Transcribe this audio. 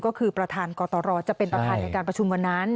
ก็คือประธานกตรจะเป็นประธานในการประชุมวันนั้น